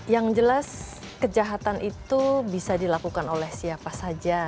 yang jelas kejahatan itu bisa dilakukan oleh siapa saja